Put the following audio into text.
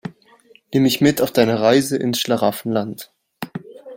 Nimm mich mit auf deine Reise ins Schlaraffenland.